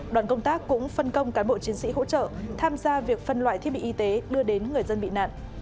đoàn công tác cũng phân công cán bộ chiến sĩ hỗ trợ tham gia việc phân loại thiết bị y tế đưa đến người dân bị nạn